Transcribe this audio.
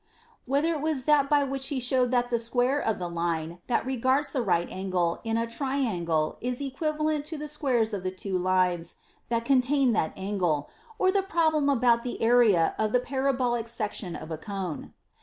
Whether it was that by which he showed that the [square of the] line that regards the right angle in a triangle is equiva lent to the [squares of the] two lines that contain that angle, or the problem about the area of the parabolic section of a cone.